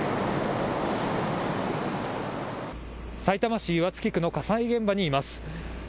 さいたま市岩槻区の火災現場にいます。